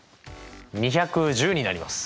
２１０になります。